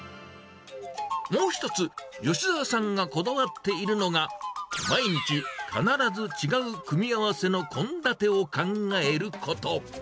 もう一つ吉澤さんがこだわっているのが、毎日必ず違う組み合わせの献立を考えること。